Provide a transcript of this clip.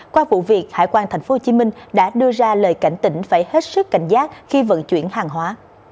qua vụ việc hải quan tp hcm đã đưa ra lời cảnh tỉnh phải hết sức cảnh giác khi vận chuyển hàng hóa